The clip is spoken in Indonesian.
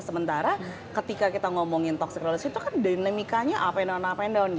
sementara ketika kita ngomongin toxic relationship tuh kan dinamikanya up and down up and down gitu